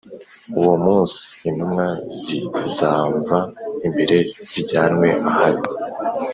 Uwo munsi intumwa zizamva imbere zijyanwe ahabi